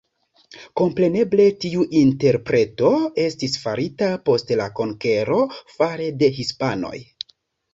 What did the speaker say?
Kompreneble tiu interpreto estis farita post la konkero fare de hispanoj.